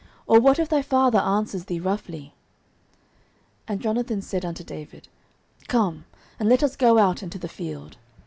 or what if thy father answer thee roughly? 09:020:011 And Jonathan said unto David, Come, and let us go out into the field.